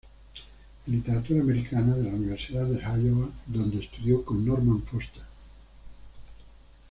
En literatura americana de la Universidad de Iowa donde estudió con Norman Foerster.